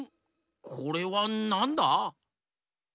これはなんだ？